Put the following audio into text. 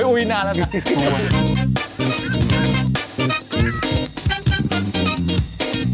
อุ๊ยนานแล้วนะ